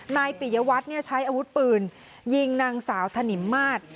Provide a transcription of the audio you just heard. นายปิยวัตรใช้อาวุธปืนยิงนางสาวถนิมมาตร